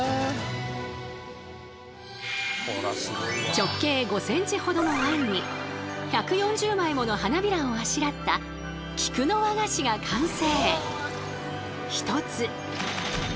直径５センチほどのあんに１４０枚もの花びらをあしらった菊の和菓子が完成。